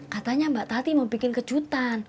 katanya mbak tati mau bikin kejutan